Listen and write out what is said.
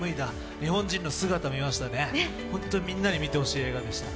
日本人の姿を見ましたね、本当にみんなに見てほしいと思いましたよ。